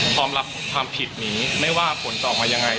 พร้อมรับความผิดนี้ไม่ว่าผลจะออกมายังไง